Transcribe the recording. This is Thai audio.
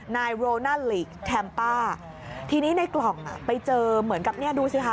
นายโรนาลิกแทมป้าทีนี้ในกล่องอ่ะไปเจอเหมือนกับเนี่ยดูสิคะ